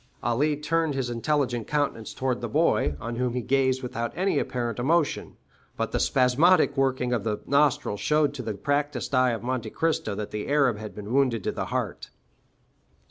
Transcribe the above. Ali turned his intelligent countenance towards the boy, on whom he gazed without any apparent emotion; but the spasmodic working of the nostrils showed to the practiced eye of Monte Cristo that the Arab had been wounded to the heart.